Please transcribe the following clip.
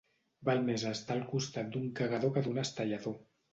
Val més estar al costat d'un cagador que d'un estellador.